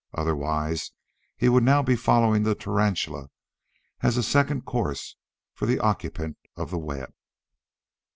Otherwise he would now be following the tarantula as a second course for the occupant of the web.